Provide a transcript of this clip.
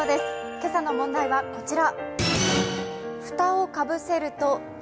今朝の問題はこちら。